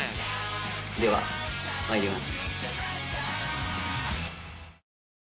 ではまいります